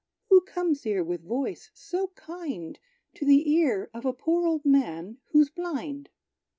who comes here with voice so kind To the ear of a poor old man who's blind?"